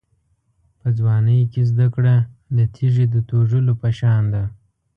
په ځوانۍ کې زده کړه د تېږې د توږلو په شان ده.